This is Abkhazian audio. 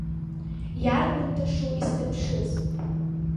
Иарбан тышоу изҭаԥшыз!